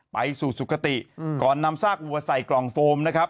ไปสู่สุขติก่อนนำซากวัวใส่กล่องโฟมนะครับ